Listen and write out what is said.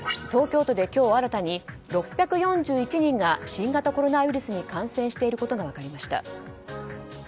東京都で今日新たに６４１人が新型コロナウイルスに感染していることが分かりました。